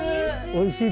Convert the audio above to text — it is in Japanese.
おいしい！